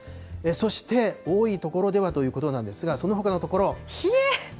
そして多い所ではということなんですが、そのほかの所。